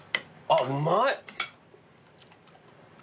あっうまいわ。